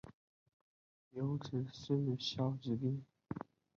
有子萧士赟。